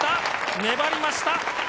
粘りました。